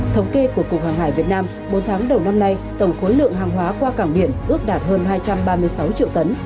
thống kê của cục hàng hải việt nam bốn tháng đầu năm nay tổng khối lượng hàng hóa qua cảng biển ước đạt hơn hai trăm ba mươi sáu triệu tấn